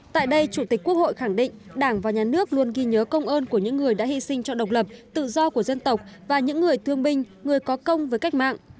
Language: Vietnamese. tại đây chủ tịch quốc hội khẳng định đảng và nhà nước luôn ghi nhớ công ơn của những người đã hy sinh cho độc lập tự do của dân tộc và những người thương binh người có công với cách mạng